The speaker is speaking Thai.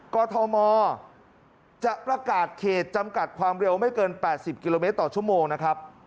กรทมจะประกาศเขตจำกัดความเร็วไม่เกิน๘๐กิโลเมตรต่อชั่วโมงนะครับ